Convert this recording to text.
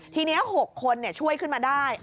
ทีนี้๖คนช่วยขึ้นมาได้